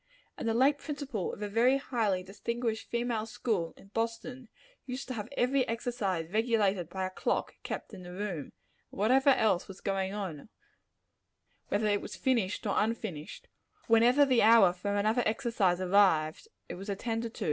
And the late principal of a very highly distinguished female school in Boston, used to have every exercise regulated by a clock kept in the room; and whatever else was going on whether it was finished or unfinished whenever the hour for another exercise arrived, it was attended to.